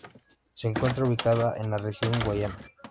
Se encuentra ubicada en la región Guayana.